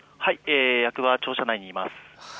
役場庁舎にいます。